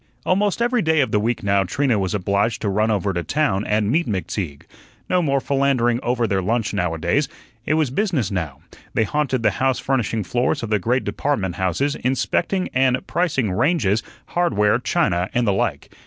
Almost every day of the week now Trina was obliged to run over to town and meet McTeague. No more philandering over their lunch now a days. It was business now. They haunted the house furnishing floors of the great department houses, inspecting and pricing ranges, hardware, china, and the like.